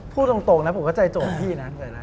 พูดตรงแล้วผมจะเจาะพี่นะ